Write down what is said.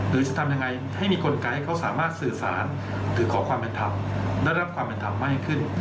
หรือจะทำยังไงให้มีกลไกให้เขาสามารถสื่อสารหรือขอความเป็นธรรมได้รับความเป็นธรรมมากขึ้น